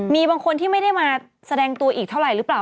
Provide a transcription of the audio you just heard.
มีบางคนที่ไม่ได้มาแสดงตัวอีกเท่าไหร่หรือเปล่า